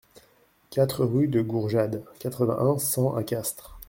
quatre rue de Gourjade, quatre-vingt-un, cent à Castres